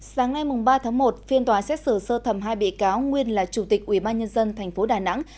sáng nay ba tháng một phiên tòa xét xử sơ thẩm hai bị cáo nguyên là chủ tịch ubnd tp đà nẵng